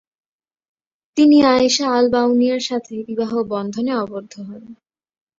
তিনি আয়েশা আল-বাউনিয়ার সাথে বিবাহ বন্ধনে অবদ্ধ হন।